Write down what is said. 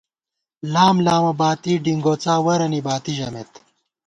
لام لامہ باتی، ڈِنگوڅا ورَنی باتی ژمېت